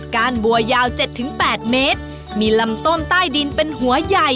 ้านบัวยาว๗๘เมตรมีลำต้นใต้ดินเป็นหัวใหญ่